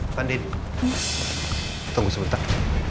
pandin tunggu sebentar